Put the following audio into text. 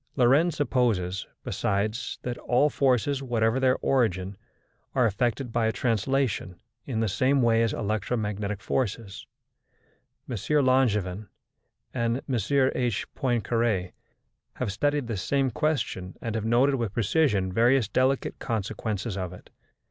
Lorentz supposes, besides, that all forces, whatever their origin, are affected by a translation in the same way as electromagnetic forces. M. Langevin and M. H. Poincaré have studied this same question and have noted with precision various delicate consequences of it.